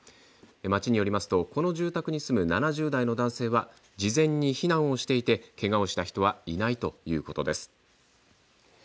街によりますとこの住宅に住む７０代の男性は事前に避難をしていてけがをした人はいないということです。